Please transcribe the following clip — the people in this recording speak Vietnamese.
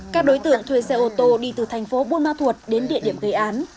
các đối tượng thuê xe ô tô đi từ thành phố buôn ma thuột đến địa điểm gây án